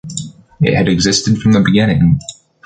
It had existed from the beginning.